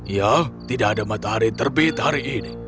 ya tidak ada matahari terbit hari ini